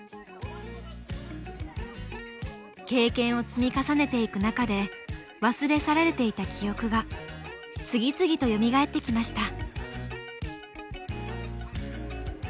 経験を積み重ねていく中で忘れ去られていた記憶が次々とよみがえってきました。